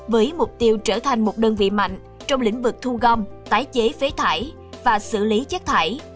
với mục tiêu trở thành một đơn vị mạnh trong lĩnh vực thu gom tái chế phế thải và xử lý chất thải